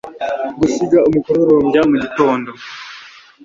gusiga umukororombya mugitondo